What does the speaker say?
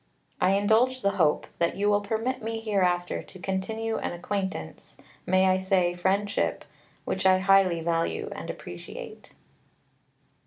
I indulge the hope that you will permit me hereafter to continue an acquaintance (may I say friendship?) which I highly value and appreciate.